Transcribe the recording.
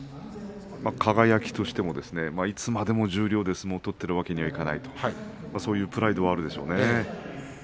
輝としてもいつまでも十両で相撲を取っているわけにはいかない、そういうプライドがあるでしょうね。